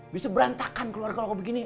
bisa berantakan keluar kalo begini